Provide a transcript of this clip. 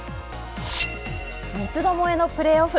三つどもえのプレーオフ。